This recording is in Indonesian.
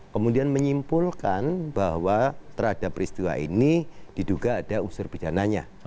kemudian menyimpulkan bahwa terhadap peristiwa ini diduga ada unsur pidananya